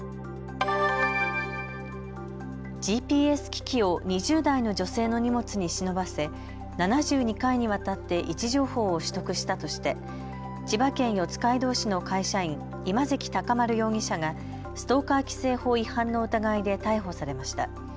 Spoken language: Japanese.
ＧＰＳ機器を２０代の女性の荷物に忍ばせ７２回にわたって位置情報を取得したとして千葉県四街道市の会社員、今関尊丸容疑者がストーカー規制法違反の疑いで逮捕されました。